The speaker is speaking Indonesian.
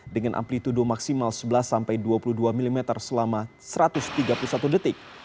dengan amplitude maksimal sebelas sampai dua puluh dua mm selama satu ratus tiga puluh satu detik